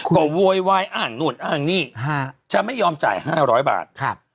ก็โวยวายอ้างนู่นอ้างนี่จะไม่ยอมจ่าย๕๐๐บาท